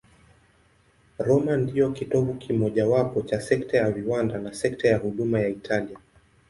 Roma ndiyo kitovu kimojawapo cha sekta ya viwanda na sekta ya huduma ya Italia.